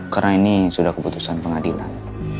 karena ini sudah keputusan pengadilan